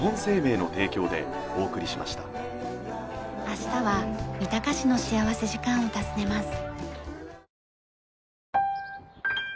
明日は三鷹市の幸福時間を訪ねます。